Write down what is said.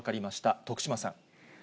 徳島さん。